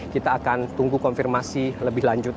kita akan tunggu konfirmasi lebih lanjut